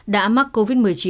đã mắc covid một mươi chín